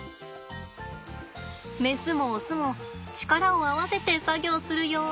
メスもオスも力を合わせて作業するよ。